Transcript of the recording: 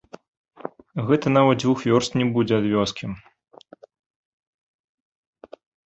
Гэта нават дзвюх вёрст не будзе ад вёскі.